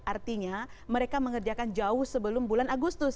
artinya mereka mengerjakan jauh sebelum bulan agustus